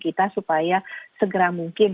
kita supaya segera mungkin